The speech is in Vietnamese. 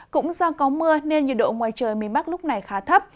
cũng do có mưa nên nhiệt độ ngoài trời miền bắc lúc này khá thấp